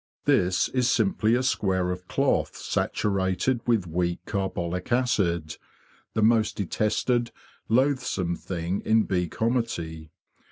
This THE HONEY FLOW 163 is simply a square of cloth saturated with weak carbolic acid, the most detested, loathsome thing in bee comity.